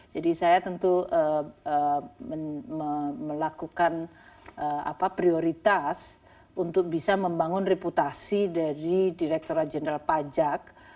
jadi saya tentu melakukan prioritas untuk bisa membangun reputasi dari direktur general pajak